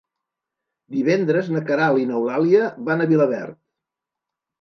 Divendres na Queralt i n'Eulàlia van a Vilaverd.